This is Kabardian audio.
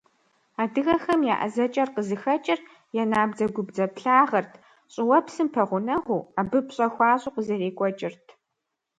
Адыгэхэм я ӀэзэкӀэр къызыхэкӀыр я набдзэгубдзаплъагъэрт, щӀыуэпсым пэгъунэгъуу, абы пщӀэ хуащӀу къызэрекӀуэкӀырт.